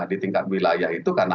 di tingkat wilayah itu karena